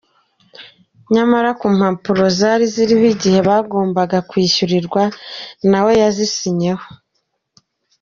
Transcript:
Nyamara ku mpapuro zari ziriho igihe bagombaga kwishyurirwa nawe yazisinyiye ho.